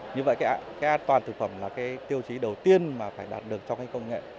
như vậy an toàn thực phẩm là tiêu chí đầu tiên mà phải đạt được trong công nghệ